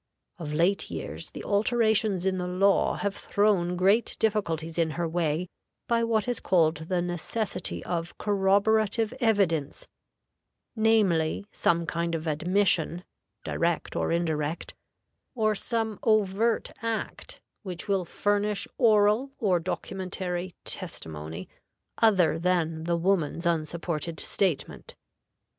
Of late years the alterations in the law have thrown great difficulties in her way by what is called the necessity of corroborative evidence, namely, some kind of admission, direct or indirect, or some overt act which will furnish oral or documentary testimony other than the woman's unsupported statement.